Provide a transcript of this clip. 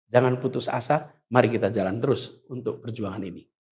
jangan putus asa mari kita jalan terus untuk perjuangan ini